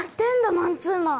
マンツーマン。